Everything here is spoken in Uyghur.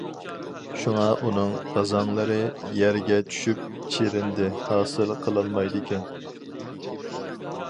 شۇڭا، ئۇنىڭ غازاڭلىرى يەرگە چۈشۈپ چىرىندى ھاسىل قىلالمايدىكەن.